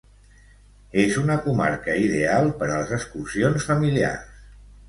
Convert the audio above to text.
És una comarca ideal per a les excursions familiars.